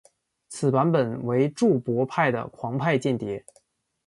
此版本为注博派的狂派间谍。